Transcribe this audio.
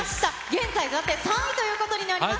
現在、暫定３位ということになります。